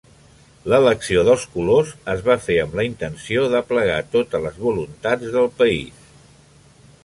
L'elecció dels colors es va fer amb la intenció d'aplegar totes les voluntats del país.